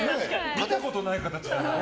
見たことない形だな。